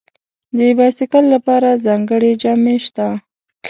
د بایسکل لپاره ځانګړي جامې شته.